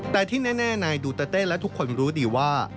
แต่ที่แน่นายดูเตอร์เต้และทุกคนรู้ดีว่า